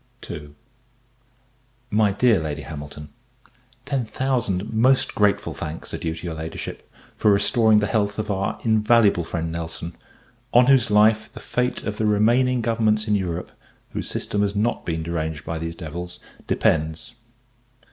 MY DEAR LADY HAMILTON, Ten thousand most grateful thanks are due to your Ladyship, for restoring the health of our invaluable friend Nelson, on whose life the fate of the remaining governments in Europe, whose system has not been deranged by these devils, depends.